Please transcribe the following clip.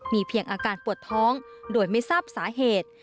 มีเพียงอาการปวดท้องโดยไม่ทราบสาเหตุ